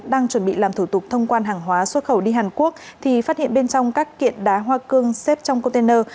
đang chuẩn bị làm thủ tục thông quan hàng hóa xuất khẩu đi hàn quốc thì phát hiện bên trong các kiện đá hoa cương xếp trong container